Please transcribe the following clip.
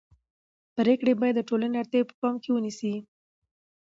پرېکړې باید د ټولنې اړتیاوې په پام کې ونیسي